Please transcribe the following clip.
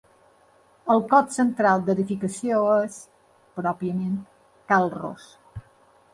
El cos central d'edificació és, pròpiament, Cal Ros.